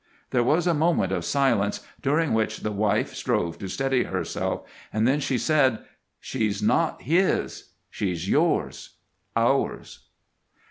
There was a moment of silence during which the wife strove to steady herself, then she said: "She's not his she's yours ours."